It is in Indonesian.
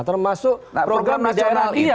termasuk program di daerah dia